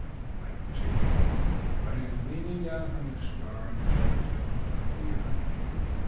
I do not see him, but he is leaning down from his star, and his voice enters my ear.